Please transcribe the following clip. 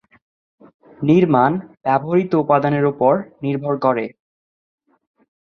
নির্মাণ ব্যবহৃত উপাদানের উপর নির্ভর করে।